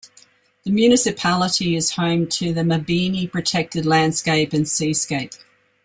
The municipality is home to the Mabini Protected Landscape and Seascape.